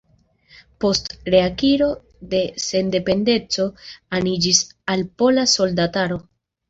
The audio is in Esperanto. Post reakiro de sendependeco aniĝis al Pola Soldataro.